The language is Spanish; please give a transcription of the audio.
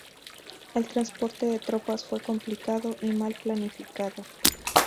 El transporte de tropas fue complicado y mal planificado.